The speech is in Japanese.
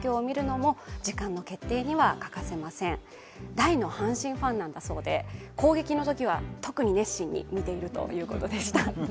大の阪神ファンなんだそうで、攻撃の時は特に熱心に見ているということでした。